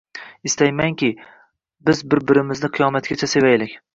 Istaymanki, biz bir-birmizni qiyomatgacha sevaylik.